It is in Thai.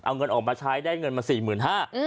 เอาเงินออกมาใช้ได้เงินมา๔๕๐๐บาท